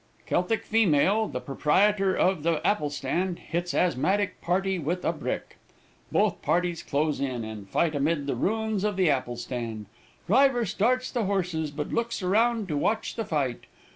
Celtic female, the proprietor of the apple stand, hits asthmatic party with a brick. Both parties close in, and fight amid the ruins of the apple stand. Driver starts the horses, but looks around to watch the fight.